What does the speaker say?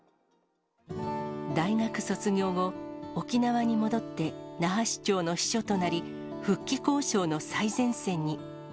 大学卒業後、沖縄に戻って那覇市長の秘書となり、復帰交渉の最前線に。